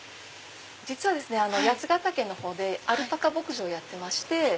実は八ヶ岳のほうでアルパカ牧場をやってまして。